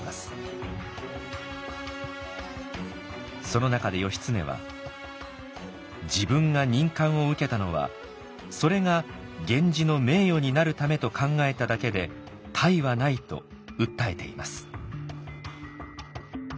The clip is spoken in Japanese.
その中で義経は「自分が任官を受けたのはそれが源氏の名誉になるためと考えただけで他意はない」と訴えています。